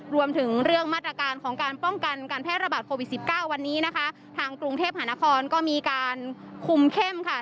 รวมถึงเรื่องมาตรการของการป้องกันการแพร่ระบาดโควิดสิบเก้าวันนี้นะคะทางกรุงเทพหานครก็มีการคุมเข้มค่ะ